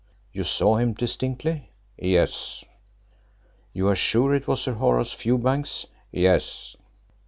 "You saw him distinctly?" "Yes." "You are sure it was Sir Horace Fewbanks?" "Yes."